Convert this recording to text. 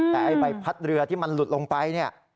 แต่ไอ้ใบพัดเรือที่มันหลุดลงไปเนี่ย